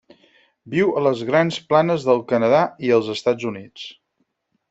Viu a les Grans Planes del Canadà i els Estats Units.